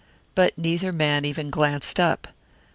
But neither man even glanced up.